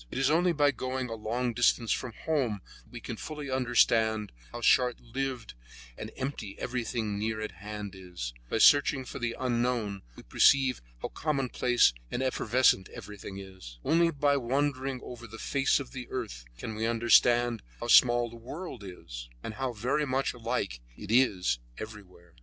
It is only by going a long distance from home that we can fully understand how short lived and empty everything near at hand is; by searching for the unknown, we perceive how commonplace and evanescent everything is; only by wandering over the face of the earth can we understand how small the world is, and how very much alike it is everywhere.